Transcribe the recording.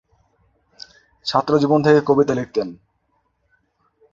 ছাত্র জীবন থেকে কবিতা লিখতেন।